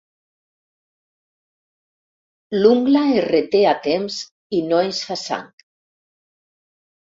L'ungla es reté a temps i no es fa sang.